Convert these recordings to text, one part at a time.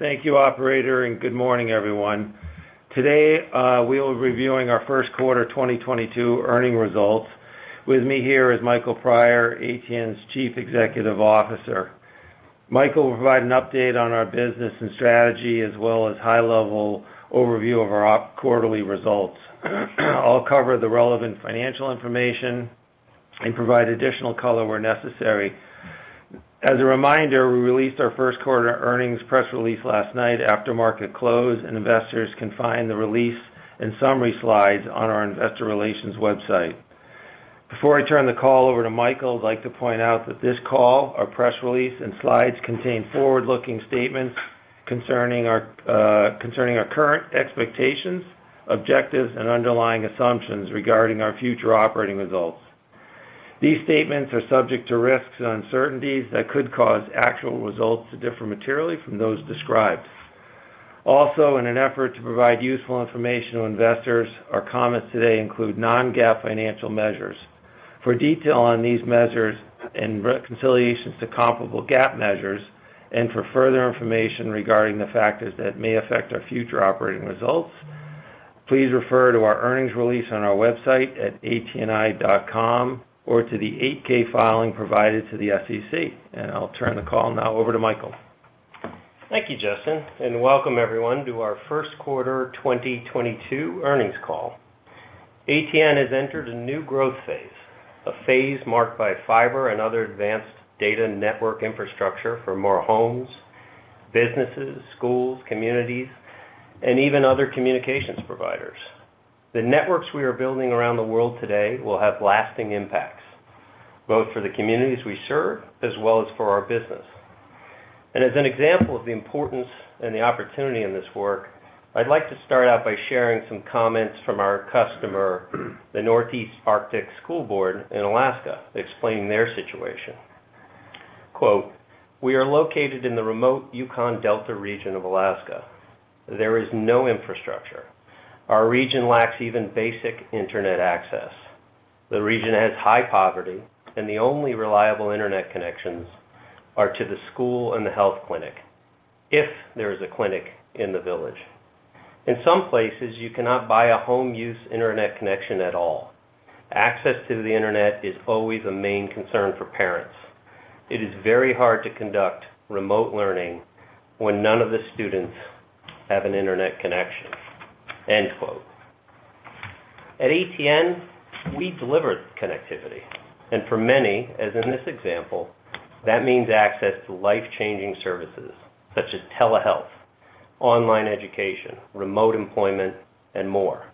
Thank you, operator, and good morning, everyone. Today, we'll be reviewing our first quarter 2022 earnings results. With me here is Michael Prior, ATN's Chief Executive Officer. Michael will provide an update on our business and strategy, as well as high-level overview of our quarterly results. I'll cover the relevant financial information and provide additional color where necessary. As a reminder, we released our first quarter earnings press release last night after market close, and investors can find the release and summary slides on our investor relations website. Before I turn the call over to Michael, I'd like to point out that this call, our press release, and slides contain forward-looking statements concerning our current expectations, objectives, and underlying assumptions regarding our future operating results. These statements are subject to risks and uncertainties that could cause actual results to differ materially from those described. Also, in an effort to provide useful information to investors, our comments today include non-GAAP financial measures. For detail on these measures and reconciliations to comparable GAAP measures, and for further information regarding the factors that may affect our future operating results, please refer to our earnings release on our website at atni.com or to the 8-K filing provided to the SEC. I'll turn the call now over to Michael. Thank you, Justin, and welcome everyone to our first quarter 2022 earnings call. ATN has entered a new growth phase, a phase marked by fiber and other advanced data network infrastructure for more homes, businesses, schools, communities, and even other communications providers. The networks we are building around the world today will have lasting impacts, both for the communities we serve as well as for our business. As an example of the importance and the opportunity in this work, I'd like to start out by sharing some comments from our customer, the Northwest Arctic Borough School District in Alaska, explaining their situation. Quote, "We are located in the remote Yukon Delta region of Alaska. There is no infrastructure. Our region lacks even basic internet access. The region has high poverty, and the only reliable internet connections are to the school and the health clinic if there is a clinic in the village. In some places, you cannot buy a home use internet connection at all. Access to the Internet is always a main concern for parents. It is very hard to conduct remote learning when none of the students have an internet connection. End quote. At ATN, we deliver connectivity, and for many, as in this example, that means access to life-changing services such as telehealth, online education, remote employment, and more.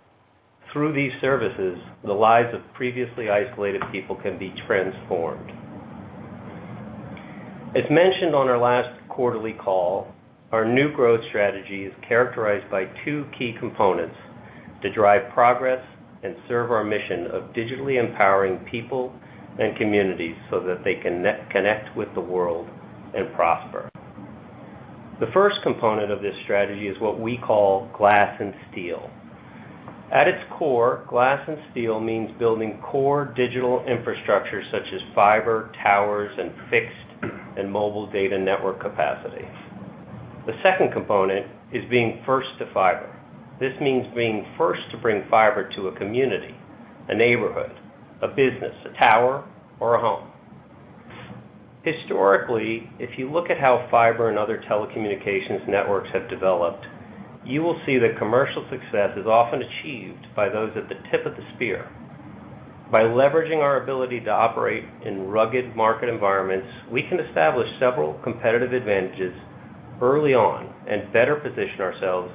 Through these services, the lives of previously isolated people can be transformed. As mentioned on our last quarterly call, our new growth strategy is characterized by two key components to drive progress and serve our mission of digitally empowering people and communities so that they can connect with the world and prosper. The first component of this strategy is what we call Glass and Steel. At its core, Glass and Steel means building core digital infrastructure such as fiber, towers, and fixed and mobile data network capacity. The second component is being First to Fiber. This means being first to bring fiber to a community, a neighborhood, a business, a tower, or a home. Historically, if you look at how fiber and other telecommunications networks have developed, you will see that commercial success is often achieved by those at the tip of the spear. By leveraging our ability to operate in rugged market environments, we can establish several competitive advantages early on and better position ourselves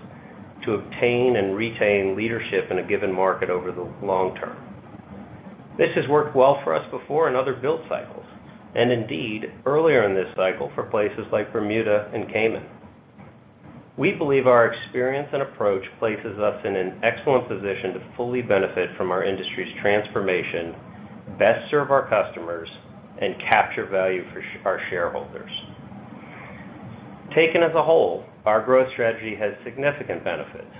to obtain and retain leadership in a given market over the long term. This has worked well for us before in other build cycles, and indeed, earlier in this cycle for places like Bermuda and Cayman. We believe our experience and approach places us in an excellent position to fully benefit from our industry's transformation, best serve our customers, and capture value for our shareholders. Taken as a whole, our growth strategy has significant benefits.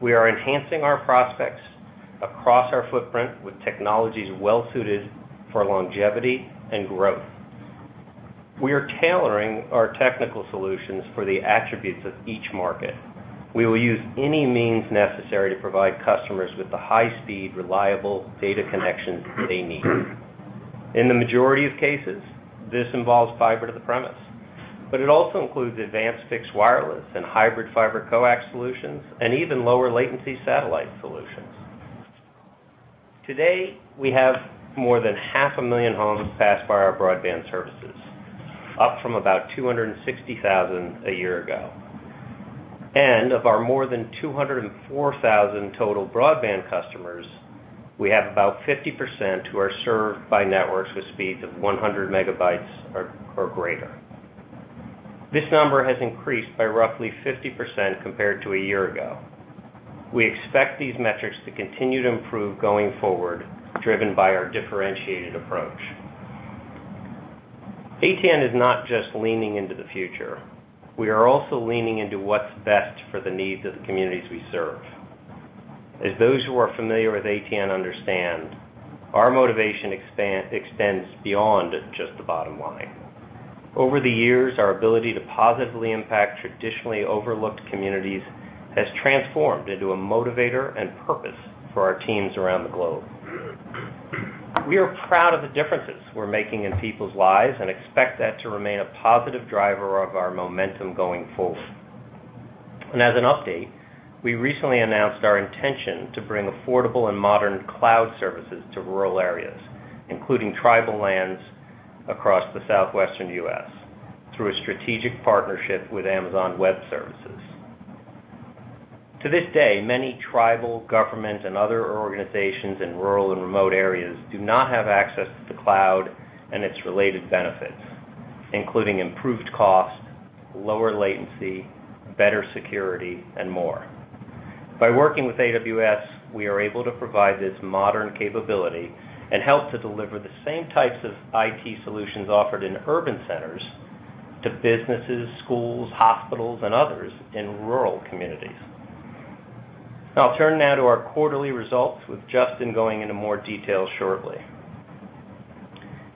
We are enhancing our prospects across our footprint with technologies well-suited for longevity and growth. We are tailoring our technical solutions for the attributes of each market. We will use any means necessary to provide customers with the high-speed, reliable data connections they need. In the majority of cases, this involves fiber to the premises, but it also includes advanced fixed wireless and hybrid fiber-coaxial solutions and even lower latency satellite solutions. Today, we have more than 500,000 homes passed by our broadband services, up from about 260,000 a year ago. Of our more than 204,000 total broadband customers, we have about 50% who are served by networks with speeds of 100 Mbps or greater. This number has increased by roughly 50% compared to a year ago. We expect these metrics to continue to improve going forward, driven by our differentiated approach. ATN is not just leaning into the future. We are also leaning into what's best for the needs of the communities we serve. As those who are familiar with ATN understand, our motivation extends beyond just the bottom line. Over the years, our ability to positively impact traditionally overlooked communities has transformed into a motivator and purpose for our teams around the globe. We are proud of the differences we're making in people's lives and expect that to remain a positive driver of our momentum going forward. As an update, we recently announced our intention to bring affordable and modern cloud services to rural areas, including tribal lands across the southwestern U.S., through a strategic partnership with Amazon Web Services. To this day, many tribal governments and other organizations in rural and remote areas do not have access to the cloud and its related benefits, including improved cost, lower latency, better security, and more. By working with AWS, we are able to provide this modern capability and help to deliver the same types of IT solutions offered in urban centers to businesses, schools, hospitals, and others in rural communities. I'll turn now to our quarterly results, with Justin going into more detail shortly.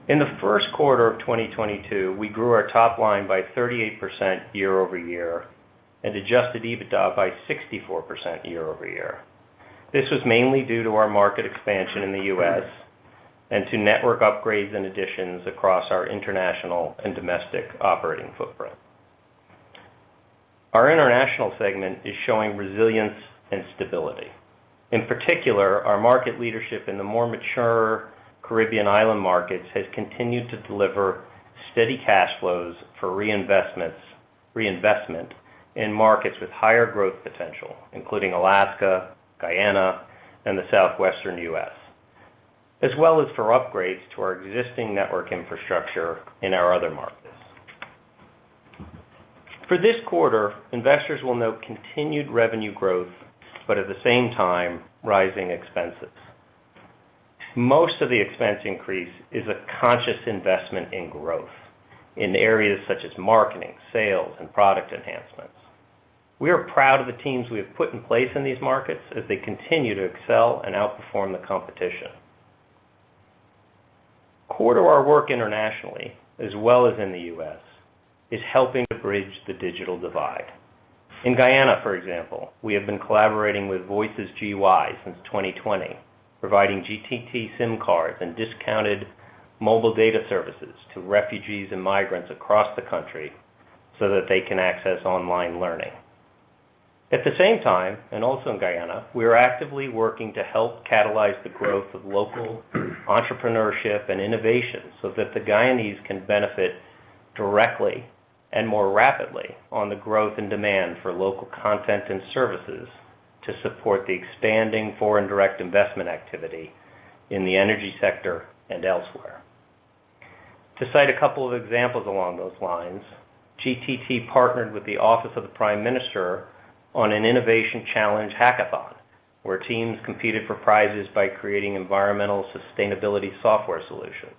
In the first quarter of 2022, we grew our top line by 38% year-over-year and adjusted EBITDA by 64% year-over-year. This was mainly due to our market expansion in the U.S. and to network upgrades and additions across our International and Domestic operating footprint. Our International segment is showing resilience and stability. In particular, our market leadership in the more mature Caribbean island markets has continued to deliver steady cash flows for reinvestment in markets with higher growth potential, including Alaska, Guyana, and the southwestern U.S., as well as for upgrades to our existing network infrastructure in our other markets. For this quarter, investors will note continued revenue growth, but at the same time, rising expenses. Most of the expense increase is a conscious investment in growth in areas such as marketing, sales, and product enhancements. We are proud of the teams we have put in place in these markets as they continue to excel and outperform the competition. Core to our work internationally, as well as in the U.S., is helping to bridge the digital divide. In Guyana, for example, we have been collaborating with Voices GY since 2020, providing GTT SIM cards and discounted mobile data services to refugees and migrants across the country so that they can access online learning. At the same time, and also in Guyana, we are actively working to help catalyze the growth of local entrepreneurship and innovation so that the Guyanese can benefit directly and more rapidly on the growth and demand for local content and services to support the expanding foreign direct investment activity in the energy sector and elsewhere. To cite a couple of examples along those lines, GTT partnered with the Office of the Prime Minister on an innovation challenge hackathon, where teams competed for prizes by creating environmental sustainability software solutions.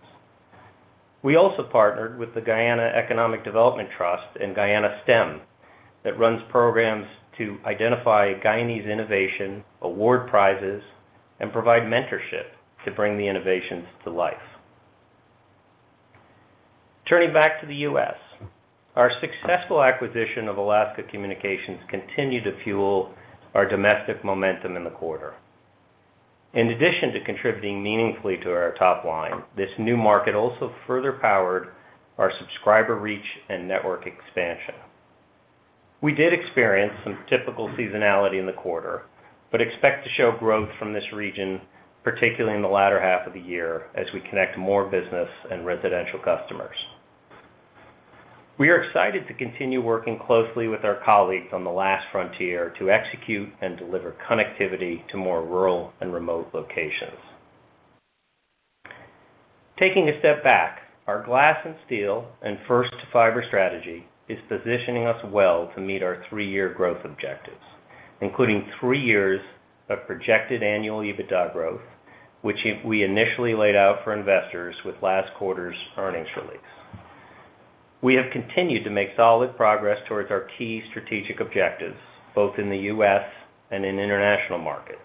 We also partnered with the Guyana Economic Development Trust in Guyana STEM that runs programs to identify Guyanese innovation, award prizes, and provide mentorship to bring the innovations to life. Turning back to the U.S., our successful acquisition of Alaska Communications continues to fuel our domestic momentum in the quarter. In addition to contributing meaningfully to our top line, this new market also further powered our subscriber reach and network expansion. We did experience some typical seasonality in the quarter, but expect to show growth from this region, particularly in the latter half of the year as we connect more business and residential customers. We are excited to continue working closely with our colleagues on the last frontier to execute and deliver connectivity to more rural and remote locations. Taking a step back, our Glass and Steel and First Fiber strategy is positioning us well to meet our three-year growth objectives, including three years of projected annual EBITDA growth, which we initially laid out for investors with last quarter's earnings release. We have continued to make solid progress towards our key strategic objectives, both in the U.S. and in International markets.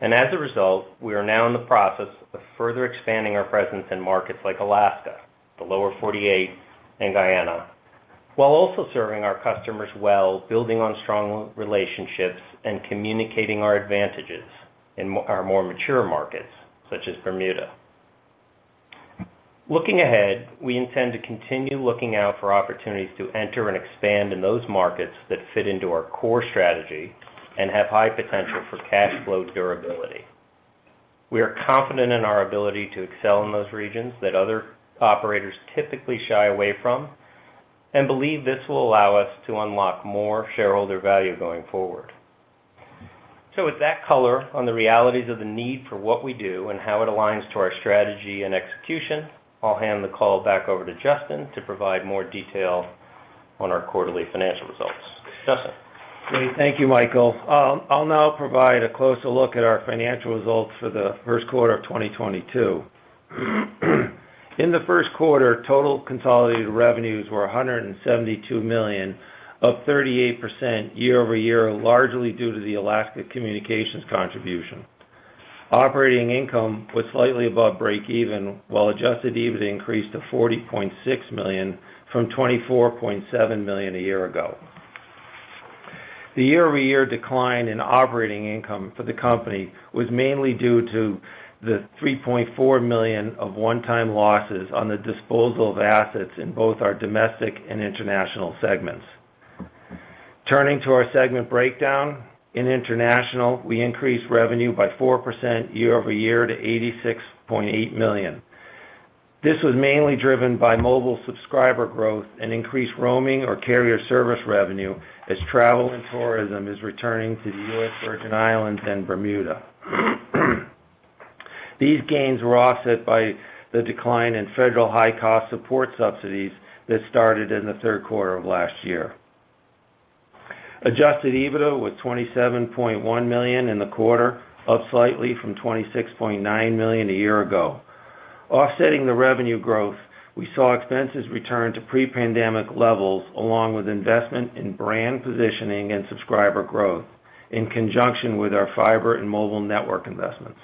As a result, we are now in the process of further expanding our presence in markets like Alaska, the Lower 48, and Guyana, while also serving our customers well, building on strong relationships, and communicating our advantages in our more mature markets, such as Bermuda. Looking ahead, we intend to continue looking out for opportunities to enter and expand in those markets that fit into our core strategy and have high potential for cash flow durability. We are confident in our ability to excel in those regions that other operators typically shy away from and believe this will allow us to unlock more shareholder value going forward. With that color on the realities of the need for what we do and how it aligns to our strategy and execution, I'll hand the call back over to Justin to provide more detail on our quarterly financial results. Justin? Great. Thank you, Michael. I'll now provide a closer look at our financial results for the first quarter of 2022. In the first quarter, total consolidated revenues were $172 million, up 38% year-over-year, largely due to the Alaska Communications contribution. Operating income was slightly above breakeven, while adjusted EBITDA increased to $40.6 million from $24.7 million a year ago. The year-over-year decline in operating income for the company was mainly due to the $3.4 million of one-time losses on the disposal of assets in both our Domestic and International segments. Turning to our segment breakdown. In International, we increased revenue by 4% year-over-year to $86.8 million. This was mainly driven by mobile subscriber growth and increased roaming or carrier service revenue as travel and tourism is returning to the U.S. Virgin Islands and Bermuda. These gains were offset by the decline in federal high-cost support subsidies that started in the third quarter of last year. Adjusted EBITDA was $27.1 million in the quarter, up slightly from $26.9 million a year ago. Offsetting the revenue growth, we saw expenses return to pre-pandemic levels, along with investment in brand positioning and subscriber growth in conjunction with our fiber and mobile network investments.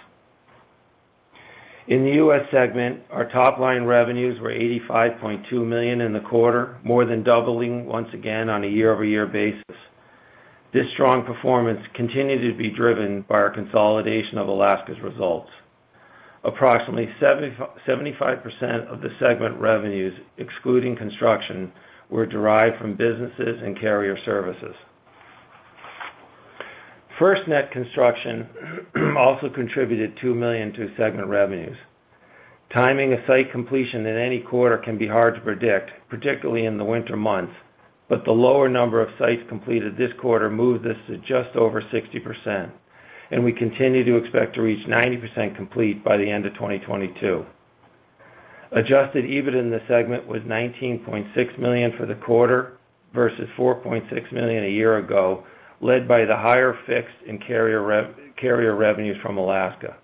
In the U.S. segment, our top-line revenues were $85.2 million in the quarter, more than doubling once again on a year-over-year basis. This strong performance continued to be driven by our consolidation of Alaska's results. Approximately 75% of the segment revenues, excluding construction, were derived from businesses and carrier services. FirstNet construction also contributed $2 million to segment revenues. Timing of site completion in any quarter can be hard to predict, particularly in the winter months, but the lower number of sites completed this quarter moved this to just over 60%, and we continue to expect to reach 90% complete by the end of 2022. Adjusted EBITDA in the segment was $19.6 million for the quarter versus $4.6 million a year ago, led by the higher fixed and carrier revenues from Alaska.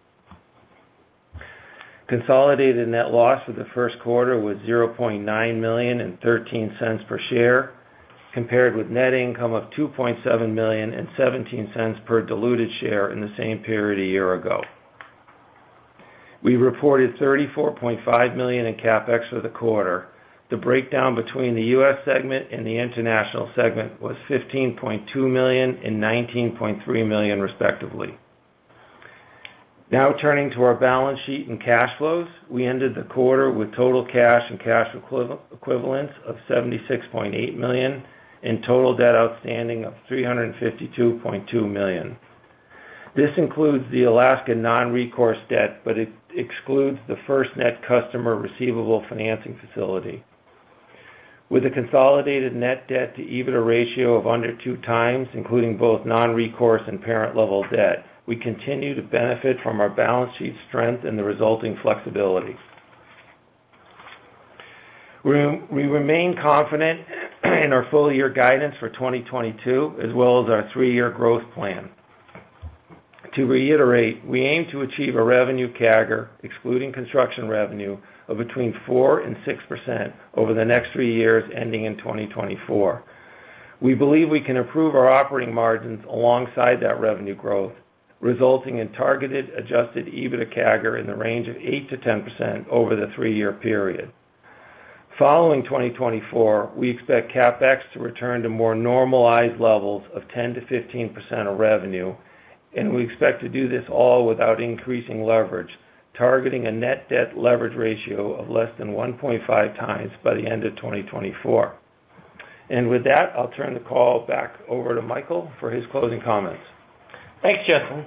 Consolidated net loss for the first quarter was $0.9 million and $0.13 per share, compared with net income of $2.7 million and $0.17 per diluted share in the same period a year ago. We reported $34.5 million in CapEx for the quarter. The breakdown between the U.S. segment and the International segment was $15.2 million and $19.3 million, respectively. Now turning to our balance sheet and cash flows. We ended the quarter with total cash and cash equivalents of $76.8 million and total debt outstanding of $352.2 million. This includes the Alaska non-recourse debt, but it excludes the FirstNet customer receivable financing facility. With a consolidated net debt to EBITDA ratio of under 2x, including both non-recourse and parent level debt, we continue to benefit from our balance sheet strength and the resulting flexibility. We remain confident in our full-year guidance for 2022, as well as our three-year growth plan. To reiterate, we aim to achieve a revenue CAGR, excluding construction revenue, of between 4% and 6% over the next three years ending in 2024. We believe we can improve our operating margins alongside that revenue growth, resulting in targeted adjusted EBITDA CAGR in the range of 8%-10% over the three-year period. Following 2024, we expect CapEx to return to more normalized levels of 10%-15% of revenue, and we expect to do this all without increasing leverage, targeting a net debt leverage ratio of less than 1.5x by the end of 2024. With that, I'll turn the call back over to Michael for his closing comments. Thanks, Justin.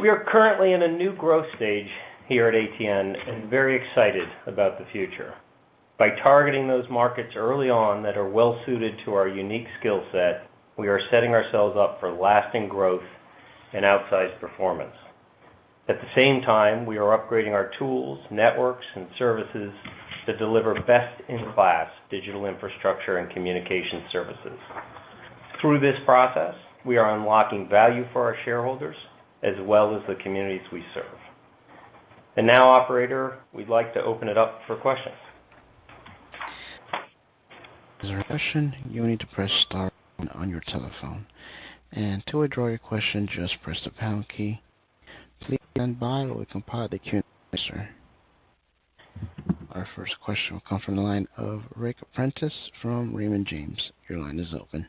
We are currently in a new growth stage here at ATN and very excited about the future. By targeting those markets early on that are well suited to our unique skill set, we are setting ourselves up for lasting growth and outsized performance. At the same time, we are upgrading our tools, networks, and services that deliver best-in-class digital infrastructure and communication services. Through this process, we are unlocking value for our shareholders as well as the communities we serve. Now, operator, we'd like to open it up for questions. To ask a question, you will need to press star on your telephone. To withdraw your question, just press the pound key. Please stand by while we compile the queue. Sir. Our first question will come from the line of Ric Prentiss from Raymond James. Your line is open.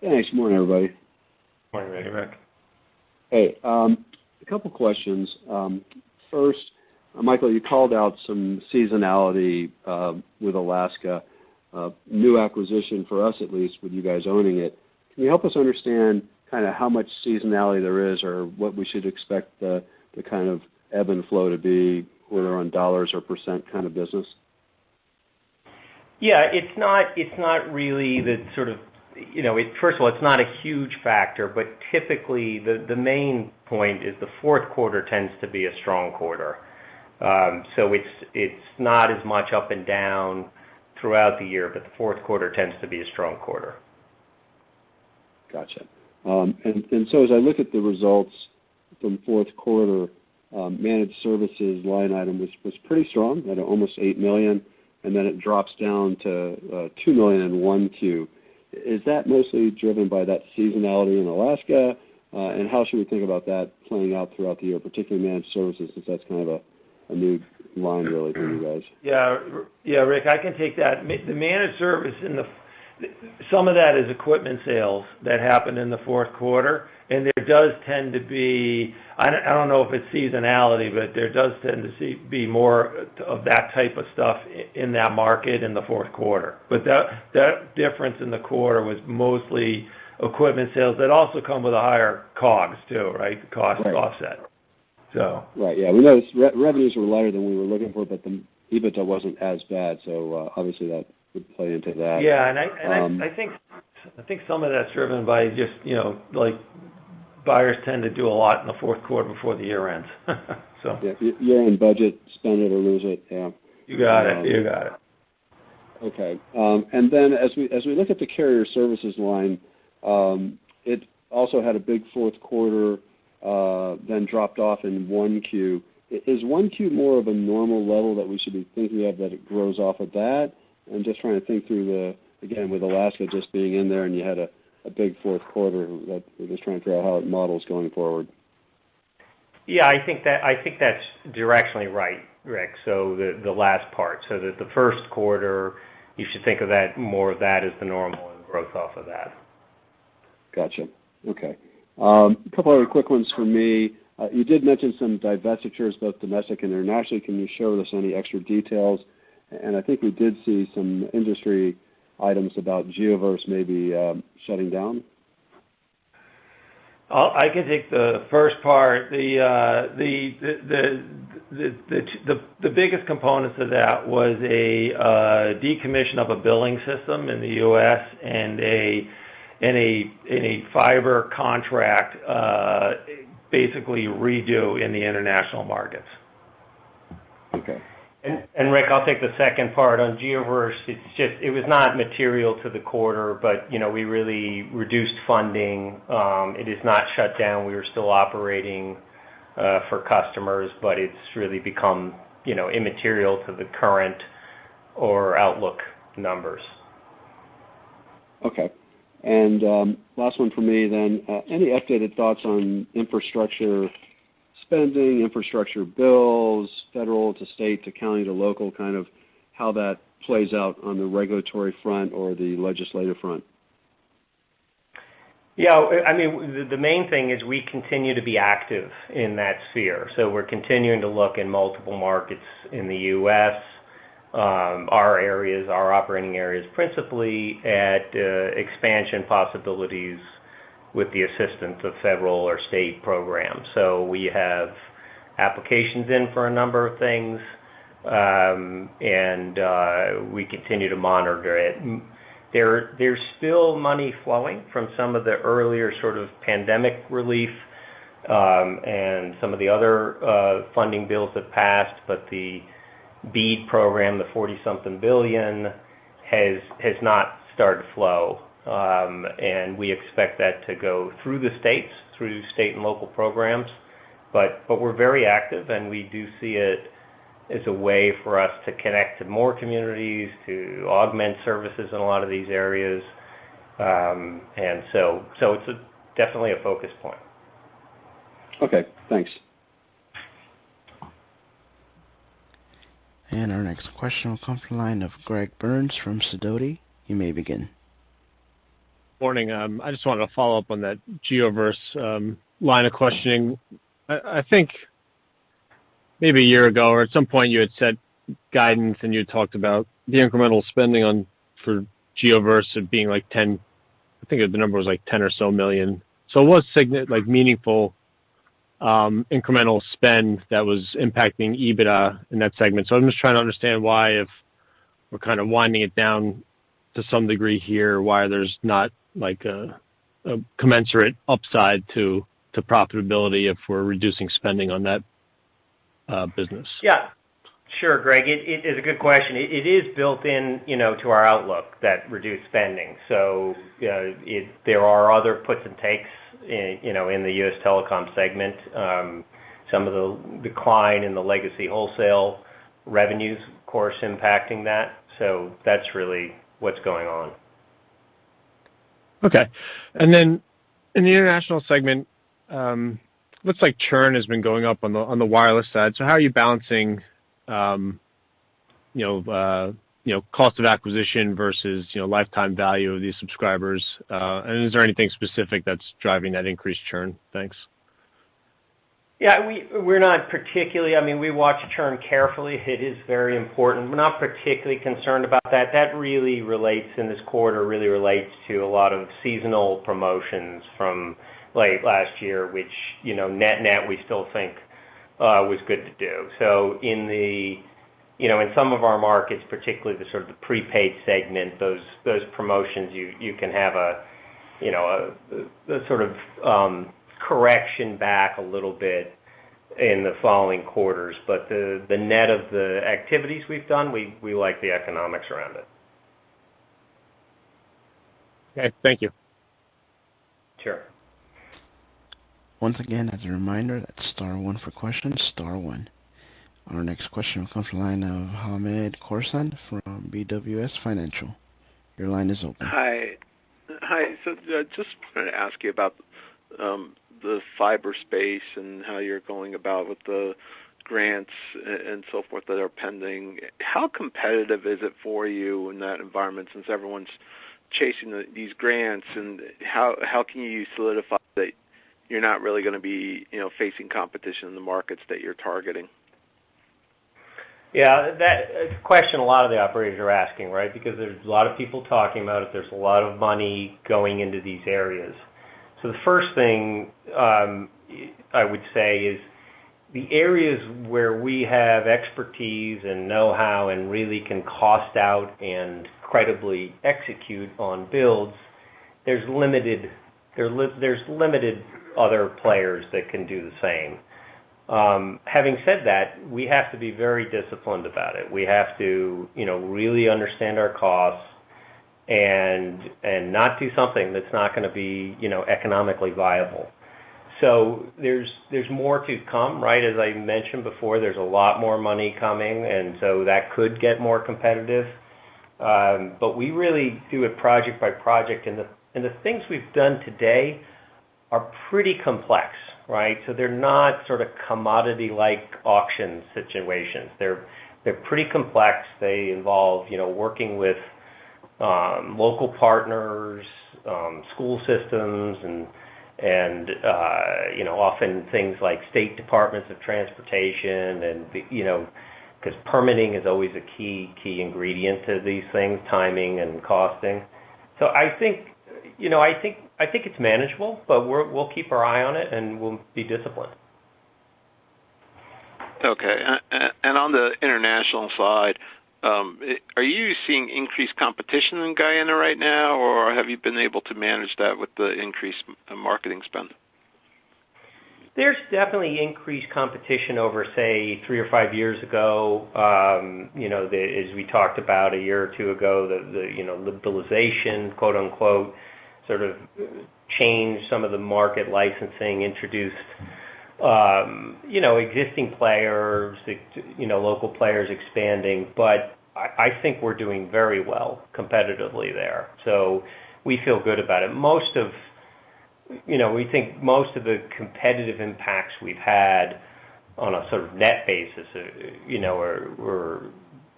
Yeah. Thanks. Morning, everybody. Morning, Ric. Hey. A couple questions. First, Michael, you called out some seasonality with Alaska new acquisition for us at least with you guys owning it. Can you help us understand kind of how much seasonality there is or what we should expect the kind of ebb and flow to be, whether on dollars or percent kind of business? Yeah. You know, first of all, it's not a huge factor, but typically, the main point is the fourth quarter tends to be a strong quarter. It's not as much up and down throughout the year, but the fourth quarter tends to be a strong quarter. Gotcha. As I look at the results from fourth quarter, managed services line item was pretty strong at almost $8 million, and then it drops down to $2 million in 1Q. Is that mostly driven by that seasonality in Alaska? How should we think about that playing out throughout the year, particularly managed services, since that's kind of a new line really for you guys? Yeah. Yeah, Ric, I can take that. The managed service in the— Some of that is equipment sales that happened in the fourth quarter, and there does tend to be. I don't know if it's seasonality, but there does tend to be more of that type of stuff in that market in the fourth quarter. That difference in the quarter was mostly equipment sales that also come with a higher COGS too, right? Right. Cost offset. Right. Yeah. We know revenues were lighter than we were looking for, but the EBITDA wasn't as bad, so obviously that would play into that. Yeah. I think some of that's driven by just, you know, like, buyers tend to do a lot in the fourth quarter before the year ends. So. Yeah. Year-end budget, spend it or lose it. Yeah. You got it. Okay, as we look at the carrier services line, it also had a big fourth quarter, then dropped off in 1Q. Is 1Q more of a normal level that we should be thinking of that it grows off of that? I'm just trying to think through, again, with Alaska just being in there, and you had a big fourth quarter. We're just trying to figure out how it models going forward. Yeah, I think that's directionally right, Ric, so the last part, so that the first quarter, you should think of that, more of that as the normal and growth off of that. Gotcha. Okay. Couple other quick ones for me. You did mention some divestitures, both domestic and internationally. Can you share with us any extra details? I think we did see some industry items about Geoverse maybe shutting down. I can take the first part. The biggest component to that was a decommission of a billing system in the U.S. and a fiber contract basically redo in the International markets. Okay. Ric, I'll take the second part. On Geoverse, it was not material to the quarter, but you know, we really reduced funding. It is not shut down. We are still operating for customers, but it's really become, you know, immaterial to the current or outlook numbers. Okay. Last one for me then. Any updated thoughts on infrastructure spending, infrastructure bills, federal to state to county to local, kind of how that plays out on the regulatory front or the legislative front? I mean, the main thing is we continue to be active in that sphere. We're continuing to look in multiple markets in the U.S., our operating areas principally at expansion possibilities with the assistance of federal or state programs. We have applications in for a number of things, and we continue to monitor it. There's still money flowing from some of the earlier sort of pandemic relief, and some of the other funding bills that passed, but the BEAD program, the $40-something billion, has not started flowing. We expect that to go through the states, through state and local programs. We're very active, and we do see it as a way for us to connect to more communities, to augment services in a lot of these areas. It's definitely a focus point. Okay. Thanks. Our next question will come from the line of Greg Burns from Sidoti. You may begin. Morning. I just wanted to follow up on that Geoverse line of questioning. I think maybe a year ago or at some point you had set guidance, and you talked about the incremental spending on for Geoverse of being like 10. I think the number was like $10 million or so. It was meaningful incremental spend that was impacting EBITDA in that segment. I'm just trying to understand why, if we're kind of winding it down to some degree here, why there's not like a commensurate upside to profitability if we're reducing spending on that business. Yeah. Sure, Greg. It is a good question. It is built in, you know, to our outlook, that reduced spending. There are other puts and takes in, you know, in the U.S. Telecom segment. Some of the decline in the legacy wholesale revenues, of course, impacting that. That's really what's going on. Okay. In the International segment, looks like churn has been going up on the wireless side. How are you balancing, you know, cost of acquisition versus, you know, lifetime value of these subscribers? Is there anything specific that's driving that increased churn? Thanks. Yeah, we're not particularly. I mean, we watch churn carefully. It is very important. We're not particularly concerned about that. That really relates, in this quarter, really relates to a lot of seasonal promotions from late last year, which, you know, net-net, we still think was good to do. In some of our markets, particularly the sort of prepaid segment, those promotions, you can have a, you know, a sort of correction back a little bit in the following quarters. The net of the activities we've done, we like the economics around it. Okay. Thank you. Sure. Once again, as a reminder, that's star one for questions, star one. Our next question comes from the line of Hamed Khorsand from BWS Financial. Your line is open. Hi. Hi. Just wanted to ask you about the fiber space and how you're going about with the grants and so forth that are pending. How competitive is it for you in that environment since everyone's chasing these grants, and how can you solidify that you're not really gonna be, you know, facing competition in the markets that you're targeting? Yeah, that is a question a lot of the operators are asking, right? Because there's a lot of people talking about it. There's a lot of money going into these areas. The first thing I would say is the areas where we have expertise and know-how and really can cost out and credibly execute on builds, there's limited other players that can do the same. Having said that, we have to be very disciplined about it. We have to, you know, really understand our costs and not do something that's not gonna be, you know, economically viable. There's more to come, right? As I mentioned before, there's a lot more money coming, and so that could get more competitive. We really do it project by project. The things we've done today are pretty complex, right? They're not sort of commodity-like auction situations. They're pretty complex. They involve, you know, working with local partners, school systems and you know, often things like state departments of transportation and, you know, 'cause permitting is always a key ingredient to these things, timing and costing. I think, you know, it's manageable, but we'll keep our eye on it and we'll be disciplined. On the International side, are you seeing increased competition in Guyana right now, or have you been able to manage that with the increased marketing spend? There's definitely increased competition over, say, three or five years ago. You know, as we talked about a year or two ago, the you know, "liberalization," quote-unquote, sort of changed some of the market licensing, introduced you know, existing players, you know, local players expanding. I think we're doing very well competitively there. We feel good about it. Most of you know, we think most of the competitive impacts we've had on a sort of net basis, you know, were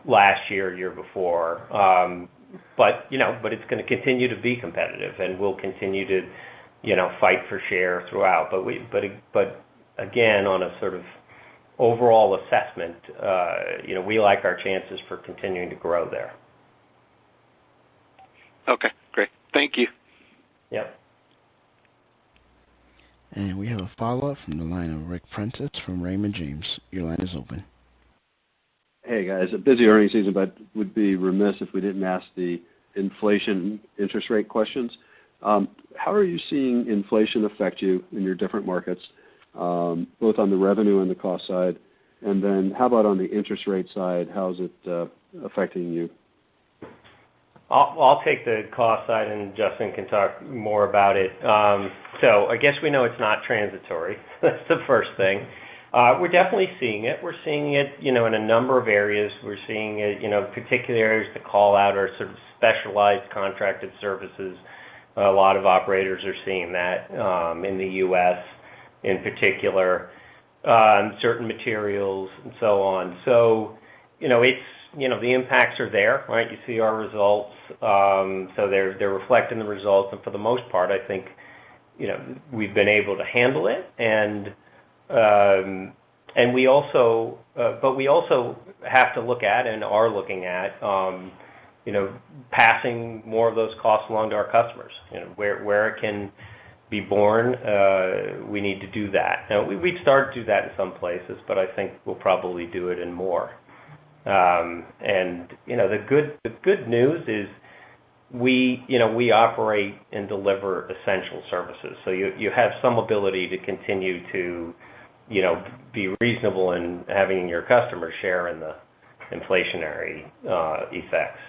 last year before. You know, it's gonna continue to be competitive, and we'll continue to you know, fight for share throughout. Again, on a sort of overall assessment, you know, we like our chances for continuing to grow there. Okay, great. Thank you. Yeah. We have a follow-up from the line of Ric Prentiss from Raymond James. Your line is open. Hey, guys. A busy earnings season, would be remiss if we didn't ask the inflation interest rate questions. How are you seeing inflation affect you in your different markets, both on the revenue and the cost side? How about on the interest rate side, how is it affecting you? I'll take the cost side, and Justin can talk more about it. I guess we know it's not transitory. That's the first thing. We're definitely seeing it. We're seeing it, you know, in a number of areas. We're seeing it, you know, particular areas to call out are sort of specialized contracted services. A lot of operators are seeing that, in the U.S. in particular, on certain materials and so on. You know, it's, you know, the impacts are there, right? You see our results. They're reflecting the results. For the most part, I think, you know, we've been able to handle it. But we also have to look at and are looking at, you know, passing more of those costs along to our customers. You know, where it can be borne, we need to do that. Now, we've started to do that in some places, but I think we'll probably do it in more. You know, the good news is you know, we operate and deliver essential services, so you have some ability to continue to, you know, be reasonable in having your customers share in the inflationary effects.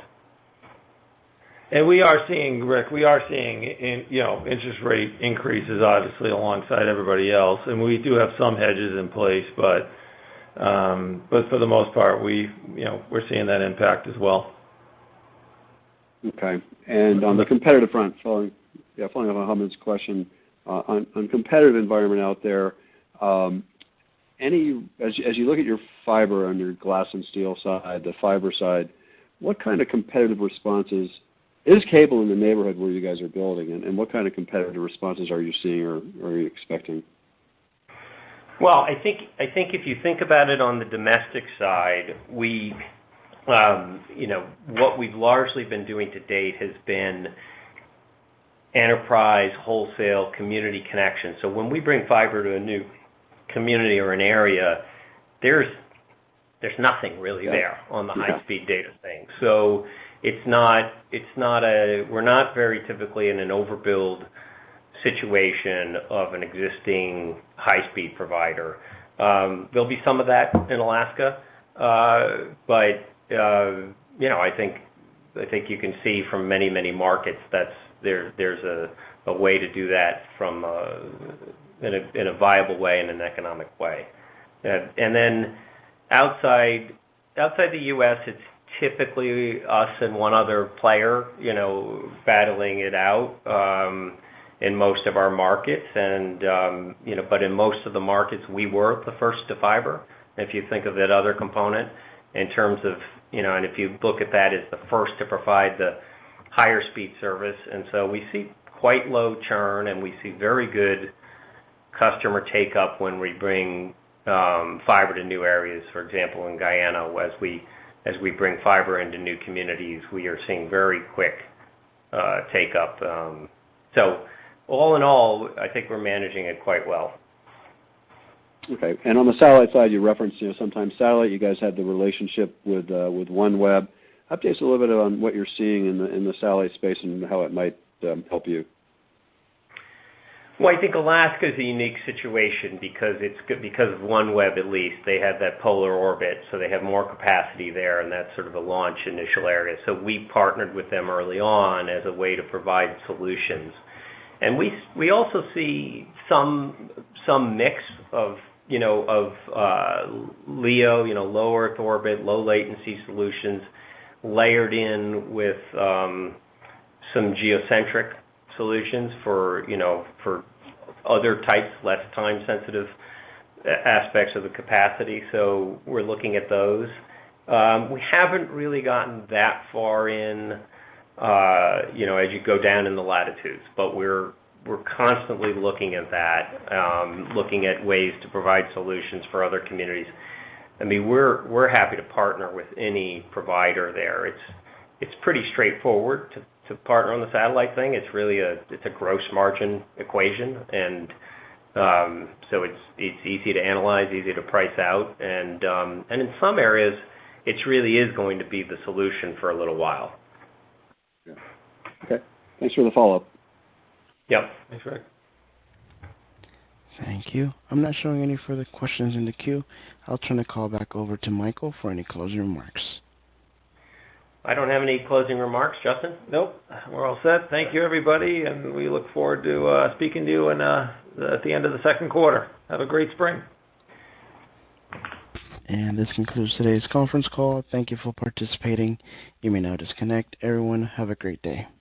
We are seeing, Ric, in you know, interest rate increases obviously alongside everybody else, and we do have some hedges in place. For the most part, we you know, we're seeing that impact as well. Okay. On the competitive front, following up on Hamed's question, on competitive environment out there, as you look at your fiber on your Glass & Steel side, the fiber side, what kind of competitive responses is cable in the neighborhood where you guys are building, and what kind of competitive responses are you seeing or are you expecting? Well, I think if you think about it on the Domestic side, you know, what we've largely been doing to date has been enterprise, wholesale, community connections. When we bring fiber to a new community or an area, there's nothing really there on the high-speed data thing. It's not. We're not very typically in an overbuild situation of an existing high-speed provider. There'll be some of that in Alaska. You know, I think you can see from many markets that there's a way to do that in a viable way, in an economic way. Outside the U.S., it's typically us and one other player, you know, battling it out in most of our markets. You know, but in most of the markets, we were the first to fiber. If you think of that other component in terms of, you know, and if you look at that as the first to provide the higher speed service. We see quite low churn, and we see very good customer take up when we bring fiber to new areas. For example, in Guyana, as we bring fiber into new communities, we are seeing very quick take up. All in all, I think we're managing it quite well. Okay. On the satellite side, you referenced, you know, sometimes satellite, you guys had the relationship with OneWeb. Update us a little bit on what you're seeing in the satellite space and how it might help you. Well, I think Alaska is a unique situation because it's because of OneWeb, at least they have that polar orbit, so they have more capacity there, and that's sort of the launch initial area. We partnered with them early on as a way to provide solutions. We also see some mix of, you know, of LEO, you know, low Earth orbit, low latency solutions layered in with some geocentric solutions for, you know, for other types, less time sensitive aspects of the capacity. We're looking at those. We haven't really gotten that far in, you know, as you go down in the latitudes, but we're constantly looking at that, looking at ways to provide solutions for other communities. I mean, we're happy to partner with any provider there. It's pretty straightforward to partner on the satellite thing. It's really a gross margin equation. It's easy to analyze, easy to price out, and in some areas, it really is going to be the solution for a little while. Yeah. Okay. Thanks for the follow-up. Yep. Thanks, Greg. Thank you. I'm not showing any further questions in the queue. I'll turn the call back over to Michael for any closing remarks. I don't have any closing remarks, Justin? Nope. We're all set. Thank you, everybody, and we look forward to speaking to you at the end of the second quarter. Have a great spring. This concludes today's conference call. Thank you for participating. You may now disconnect. Everyone, have a great day.